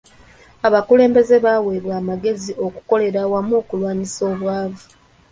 Abakulembeze baweebwa amagezi okukolera awamu okulwanyisa obwavu.